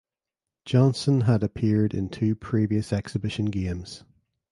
Johnson had appeared in two previous exhibition games.